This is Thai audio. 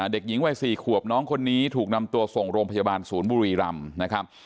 เด็กหญิงวัย๔ขวบน้องคนนี้ถูกนำตัวส่งโรงพยาบาลศูนย์บุรีรำนะครับ